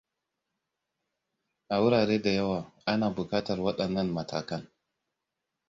A wurare da yawa ana buƙatar waɗannan matakan.